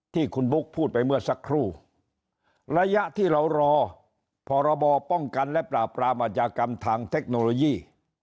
ที่คุณบุ๊คพูดไปเมื่อสักครู่ระยะที่เรารอพรบป้องกันและปราบปรามอาชญากรรมทางเทคโนโลยี